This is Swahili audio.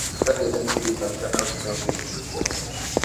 serikali ya nchi hii inaonekana kutumia nguvu kubwa